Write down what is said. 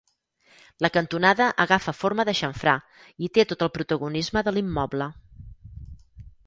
La cantonada agafa forma de xamfrà i té tot el protagonisme de l'immoble.